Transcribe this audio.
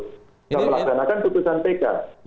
misalkan keputusan tk